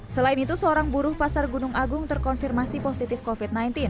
selain itu seorang buruh pasar gunung agung terkonfirmasi positif covid sembilan belas